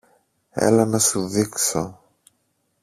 Έλα να σου δείξω.